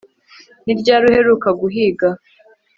Ni ryari uheruka guhiga